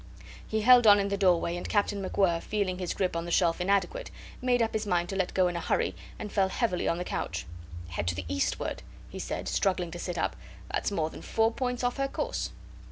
He held on in the doorway, and Captain MacWhirr, feeling his grip on the shelf inadequate, made up his mind to let go in a hurry, and fell heavily on the couch. "Head to the eastward?" he said, struggling to sit up. "That's more than four points off her course."